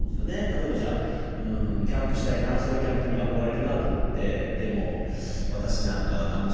例えばじゃあキャンプしたいなソロキャンプに憧れるなと思って「でも私なんか何も知らないから」